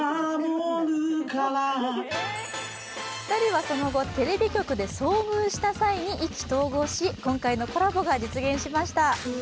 ２人はその後、テレビ局で遭遇した際に意気投合し、今回のコラボが実現しました。